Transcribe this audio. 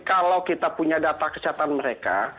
kalau kita punya data kesehatan mereka